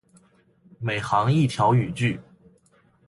每行一条语句